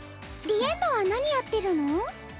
リエンヌは何やってるの？